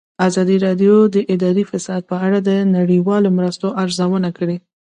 ازادي راډیو د اداري فساد په اړه د نړیوالو مرستو ارزونه کړې.